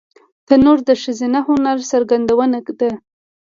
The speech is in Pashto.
تنور د ښځینه هنر څرګندونه ده